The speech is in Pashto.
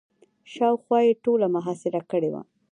شاوخوا یې ټوله محاصره کړې وه.